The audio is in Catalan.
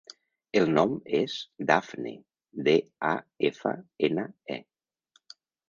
El nom és Dafne: de, a, efa, ena, e.